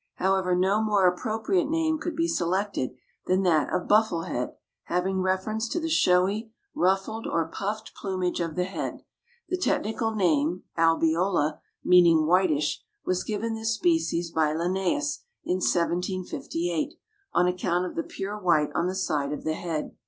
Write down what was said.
However, no more appropriate name could be selected than that of Buffle head, having reference to the showy, ruffled or puffed plumage of the head. The technical name, albeola, meaning whitish, was given this species by Linnaeus in 1758, on account of the pure white on the side of the head.